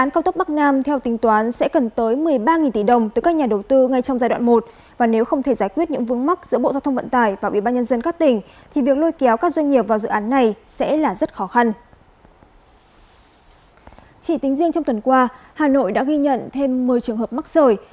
chỉ tính riêng trong tuần qua hà nội đã ghi nhận thêm một mươi trường hợp mắc sởi